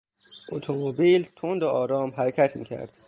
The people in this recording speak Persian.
اتومبیل تند و آرام حرکت میکرد.